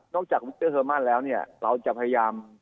จากวิกเตอร์เฮอร์มันแล้วเนี่ยเราจะพยายาม